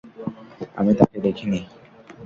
আমি তাকে দেখিনি।